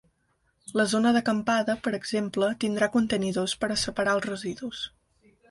La zona d’acampada, per exemple, tindrà contenidors per a separar els residus.